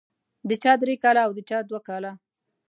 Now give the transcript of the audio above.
د چا درې کاله او د چا دوه کاله.